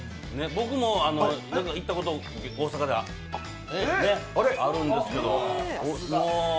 僕も行ったこと、大阪であるんですけど。